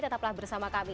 tetaplah bersama kami